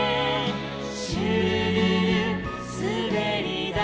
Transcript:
「シュルルルすべりだい」